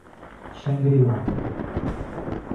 Xangri-lá